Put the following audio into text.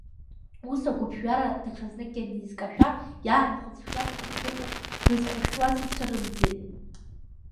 Ус агәыԥжәара даҽазнык ианизкашәа, иаанхоз шиакәмыз дзыхәшәтәуаз ицәырымӡеит.